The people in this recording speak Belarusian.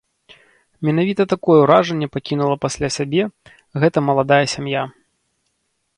Менавіта такое ўражанне пакінула пасля сябе гэта маладая сям'я.